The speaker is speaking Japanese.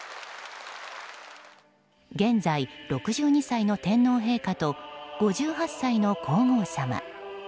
現在６２歳の天皇陛下と５８歳の皇后さま。